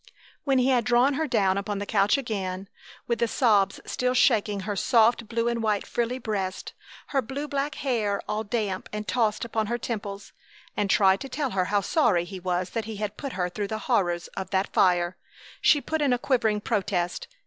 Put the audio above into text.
When he had drawn her down upon the couch again, with the sobs still shaking her soft blue and white frilly breast, her blue black hair all damp and tossed upon her temples, and tried to tell her how sorry he was that he had put her through the horrors of that fire, she put in a quivering protest.